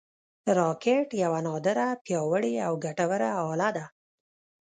راکټ یوه نادره، پیاوړې او ګټوره اله ده